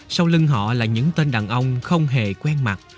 sau lưng họ là những tên đàn ông không hề quen mặt